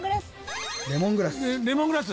レモングラス。